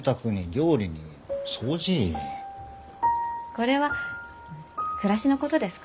これは暮らしのことですから。